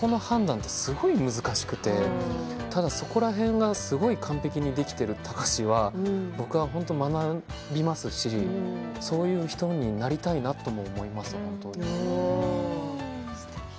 そこの判断ってすごく難しくてその辺りがすごく完璧にできている貴司は僕は学びますしそういう人になりたいなとも思います、本当に。